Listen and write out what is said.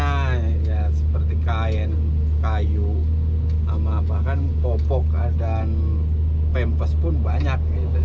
ya seperti kain kayu bahkan popok dan pempes pun banyak